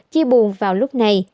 chi buồn vào lúc này